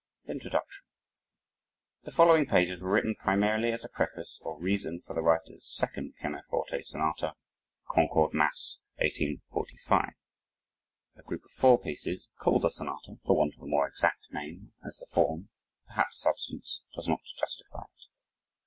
INTRODUCTION The following pages were written primarily as a preface or reason for the [writer's] second Pianoforte Sonata "Concord, Mass., 1845," a group of four pieces, called a sonata for want of a more exact name, as the form, perhaps substance, does not justify it.